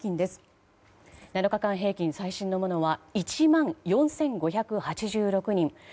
７日間平均の最新のものは１万４５８６人。